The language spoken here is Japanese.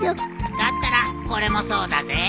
だったらこれもそうだぜ。